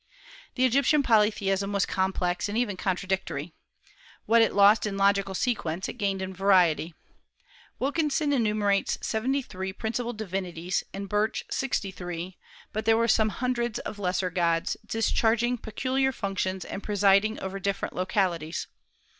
The Egyptian polytheism was complex and even contradictory. What it lost in logical sequence it gained in variety. Wilkinson enumerates seventy three principal divinities, and Birch sixty three; but there were some hundreds of lesser gods, discharging peculiar functions and presiding over different localities.